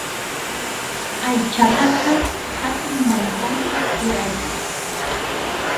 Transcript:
Aychataqa hatun mankaman churaykuy.